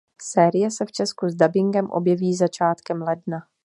Série se v Česku s dabingem objeví začátkem ledna.